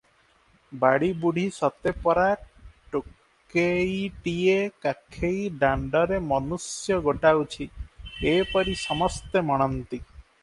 ବାଡ଼ି ବୁଢ଼ୀ ସତେ ପରା ଟୋକେଇଟିଏ କାଖେଇ ଦାଣ୍ଡରେ ମନୁଷ୍ୟ ଗୋଟାଉଛି, ଏପରି ସମସ୍ତେ ମଣନ୍ତି ।